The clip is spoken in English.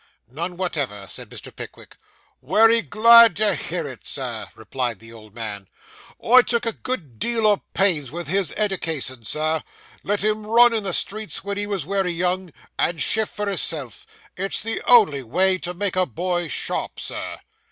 'None whatever,' said Mr. Pickwick. 'Wery glad to hear it, sir,' replied the old man; 'I took a good deal o' pains with his eddication, sir; let him run in the streets when he was wery young, and shift for hisself. It's the only way to make a boy sharp, sir.